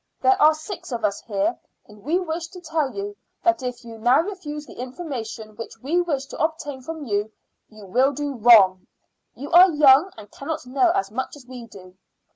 There are six of us here, and we wish to tell you that if you now refuse the information which we wish to obtain from you, you will do wrong. You are young, and cannot know as much as we do.